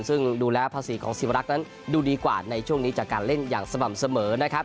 ซึ่งดูแล้วภาษีของสิวรักษ์นั้นดูดีกว่าในช่วงนี้จากการเล่นอย่างสม่ำเสมอนะครับ